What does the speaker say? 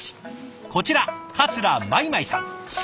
こちら桂米舞さん。